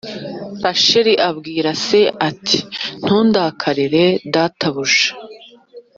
Rasheli abwira se ati Ntundakarire databuja